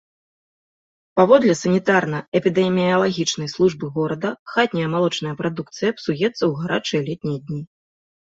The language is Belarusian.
Паводле санітарна-эпідэміялагічнай службы горада, хатняя малочная прадукцыя псуецца ў гарачыя летнія дні.